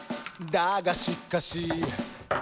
「だがしかし」